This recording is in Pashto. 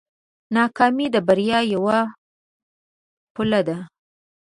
ناکامي د بریا یوه پله ده.